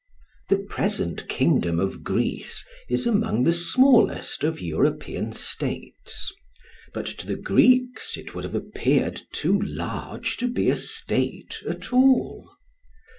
The present kingdom of Greece is among the smallest of European states; but to the Greeks it would have appeared too large to be a state at all.